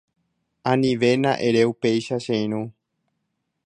Anivéna ere upéicha che irũ